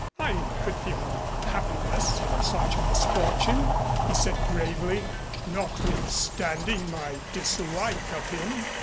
"I could feel no happiness in such a misfortune," he said gravely, "notwithstanding my dislike of him."